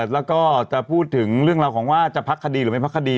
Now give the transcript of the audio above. แล้วก็จะพูดถึงเรื่องราวของว่าจะพักคดีหรือไม่พักคดี